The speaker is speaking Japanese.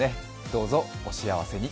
どうぞお幸せに。